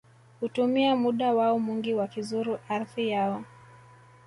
Hutumia muda wao mwingi wakizuru ardhi yao